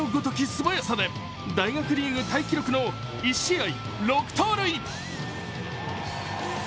素早さで大学リーグタイ記録の１試合６盗塁。